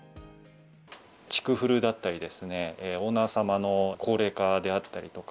築古だったりですね、オーナー様の高齢化であったりとか。